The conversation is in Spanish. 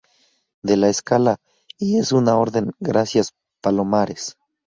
de la escala. y es una orden. gracias, Palomares.